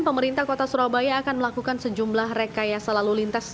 pemerintah kota surabaya akan melakukan sejumlah rekaya selalu lintas